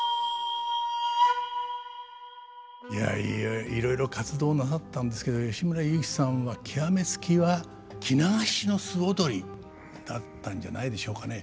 いやいろいろ活動なさったんですけど吉村雄輝さんは極め付きは着流しの素踊りだったんじゃないでしょうかね。